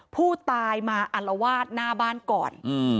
ผู้ตายมาอัลวาดหน้าบ้านก่อน